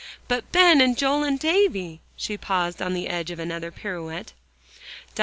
But Ben and Joel and Davie!" and she paused on the edge of another pirouette. Dr.